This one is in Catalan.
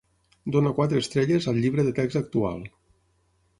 Dóna quatre estrelles al llibre de text actual